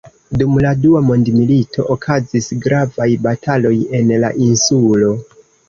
Dum la Dua Mondmilito okazis gravaj bataloj en la insulo.